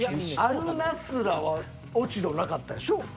「アル・ナスラ」は落ち度なかったでしょ？